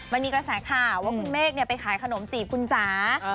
มันมีกระแสข่าวว่าคุณเมฆไปขายขนมจีบคุณจ๋า